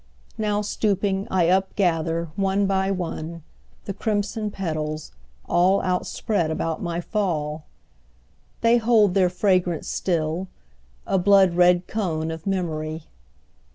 Now, stooping, I upgather, one by one, The crimson petals, all Outspread about my fall. They hold their fragrance still, a blood red cone Of memory.